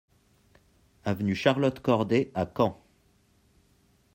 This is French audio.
Avenue Charlotte Corday à Caen